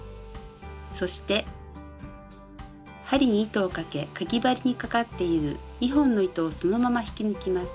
そして針に糸をかけかぎ針にかかっている２本の糸をそのまま引き抜きます。